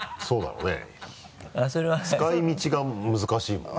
使い道が難しいもんね。